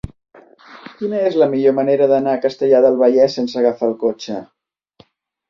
Quina és la millor manera d'anar a Castellar del Vallès sense agafar el cotxe?